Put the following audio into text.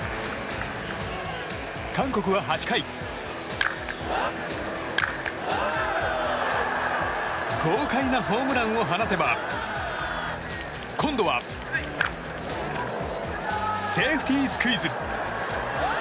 韓国は８回豪快なホームランを放てば今度はセーフティースクイズ。